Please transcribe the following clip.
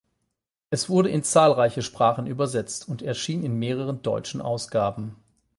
Es wurde in zahlreiche Sprachen übersetzt und erschien in mehreren deutschen Ausgaben.